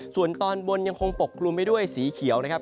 ส่วนตอนบนยังคงปกคลุมไปด้วยสีเขียวนะครับ